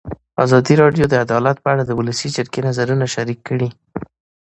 ازادي راډیو د عدالت په اړه د ولسي جرګې نظرونه شریک کړي.